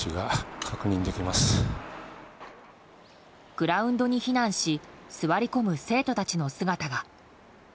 グラウンドに避難し座り込む生徒たちの姿が。